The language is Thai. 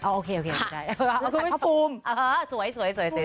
โอเคได้ภูมิ